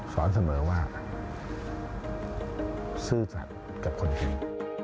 สอนเสมอว่าซื่อสัตว์กับคนดี